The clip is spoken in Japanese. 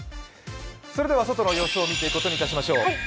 外の様子を見ていくことにいたしましょう。